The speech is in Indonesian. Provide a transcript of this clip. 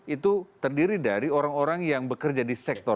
itu terdiri dari orang orang yang bekerja di sektor